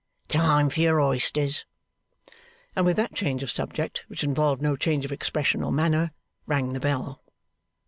Time for your oysters!' and with that change of subject, which involved no change of expression or manner, rang the bell.